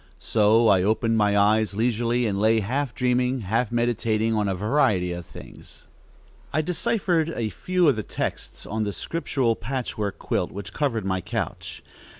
So I opened my eyes leisurely and lay half dreaming, half meditating on a variety of things. I deciphered a few of the texts on the scriptural patchwork quilt which covered my couch.